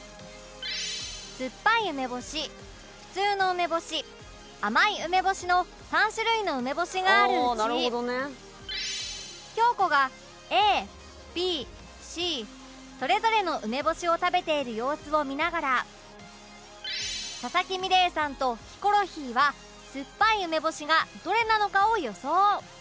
酸っぱい梅干し普通の梅干し甘い梅干しの３種類の梅干しがあるうち京子が ＡＢＣ それぞれの梅干しを食べている様子を見ながら佐々木美玲さんとヒコロヒーは酸っぱい梅干しがどれなのかを予想